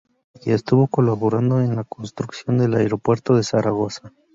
Y estuvo colaborando en la construcción del aeropuerto de Zaragoza.